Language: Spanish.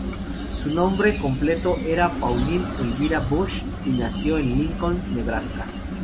Su nombre completo era Pauline Elvira Bush, y nació en Lincoln, Nebraska.